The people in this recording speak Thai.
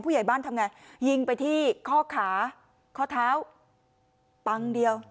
ผู้ใหญ่บ้านทำไงยิงไปที่ข้อขาข้อเท้าปังเดียว